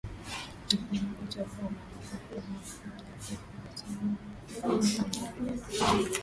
Dalili ya ugonjwa wa homa ya mapafu ni upumuaji hafifu na usio na mpangilio